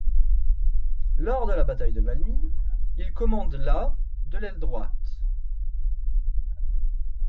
Lors de la bataille de Valmy, il commande la de l'aile droite.